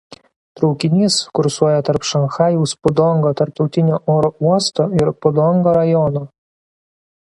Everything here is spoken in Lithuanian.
Traukinys kursuoja tarp Šanchajaus Pudongo tarptautinio oro uosto ir Pudongo rajono.